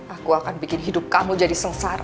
aku akan bikin hidup kamu jadi sengsara